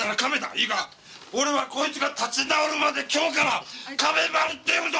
いいか俺はこいつが立ち直るまで今日から亀丸って呼ぶぞ！